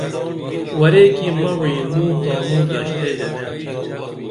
ورے کی مہ وعی موں تانوی دشتے ژنے